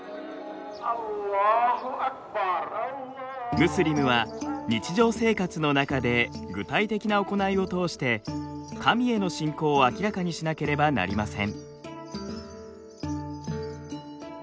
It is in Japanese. ムスリムは日常生活の中で具体的な行いを通して神への信仰を明らかにしなければなりません。